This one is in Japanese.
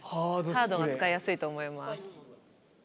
ハードが使いやすいと思います。